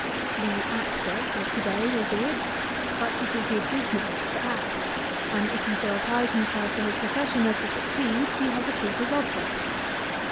The actor of to day will do it, but it is his business to act, and if he so applies himself to his profession as to succeed, he has achieved his object.